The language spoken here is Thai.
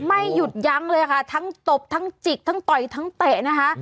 ไม่หยุดยั้งเลยค่ะทั้งตบทั้งจิกทั้งต่อยทั้งเตะนะคะ